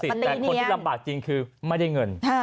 แต่คนที่ลำบากจริงคือไม่ได้เงิน